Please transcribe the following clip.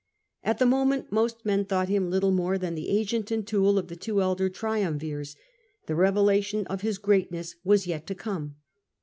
At the moment most men thought him little more than the agent and tool of the two elder triumvirs; the revelation of his greatness was yet to come.